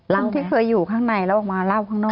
ที่เคยอยู่ข้างในแล้วออกมาเล่าข้างนอก